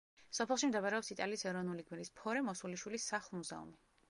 სოფელში მდებარეობს იტალიის ეროვნული გმირის ფორე მოსულიშვილის სახლ-მუზეუმი.